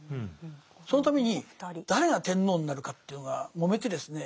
そのために誰が天皇になるかというのがもめてですね